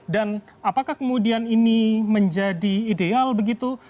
dan apakah kemudian ini menjadi ideal begitu